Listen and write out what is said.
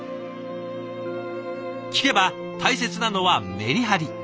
聞けば大切なのはメリハリ。